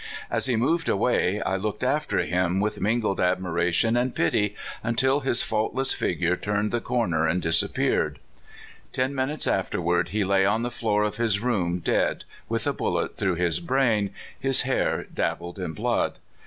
As he moved away, I looked after him with mingled admiration and pity, until his faultless figure turned the corner and disap peared. Ten minutes afterward he lay on the floor of his room dead, with a bullet through his brain, his hair dabbled in blood.